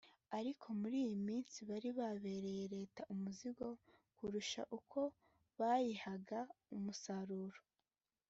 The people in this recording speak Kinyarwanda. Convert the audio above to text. ariko muri iyi minsi bari babereye Leta umuzigo kurusha uko bayihaga umusaruro